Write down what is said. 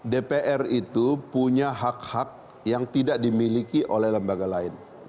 dpr itu punya hak hak yang tidak dimiliki oleh lembaga lain